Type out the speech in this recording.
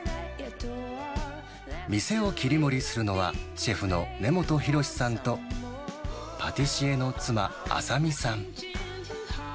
店を切り盛りするのは、シェフの根本寛さんと、パティシエの妻、麻未さん。